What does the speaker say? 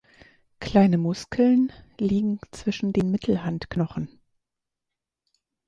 Kleine Muskeln liegen zwischen den Mittelhandknochen.